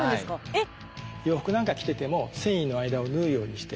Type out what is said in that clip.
えっ！